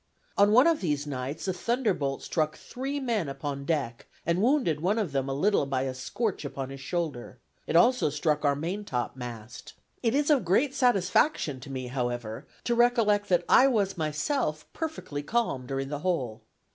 On one of these nights, a thunderbolt struck three men upon deck, and wounded one of them a little by a scorch upon his shoulder; it also struck our maintop mast. ... "It is a great satisfaction to me, however, to recollect that I was myself perfectly calm, during the whole.